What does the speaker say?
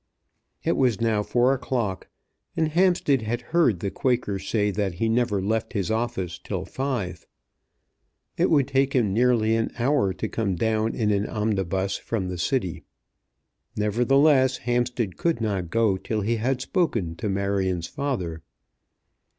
It was now four o'clock, and Hampstead had heard the Quaker say that he never left his office till five. It would take him nearly an hour to come down in an omnibus from the City. Nevertheless Hampstead could not go till he had spoken to Marion's father.